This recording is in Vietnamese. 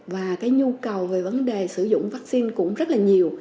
và cái nhu cầu về vấn đề sử dụng vaccine cũng rất là nhiều